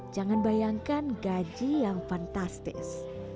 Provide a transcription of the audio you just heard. jangan bayangkan gaji yang fantastis